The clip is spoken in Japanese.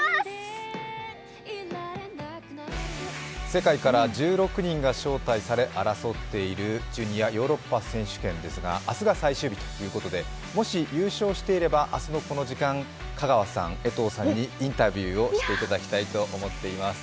世界から１６人が招待され争っているジュニアヨーロッパ選手権ですが明日が最終日ということで、もし優勝していれば、明日のこの時間、香川さん江藤さんにインタビューをしていただきたいと思っています。